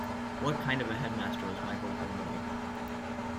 What kind of a Headmaster was Michael Gormally?